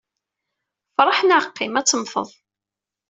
Freḥ neɣ qqim, ad temmteḍ.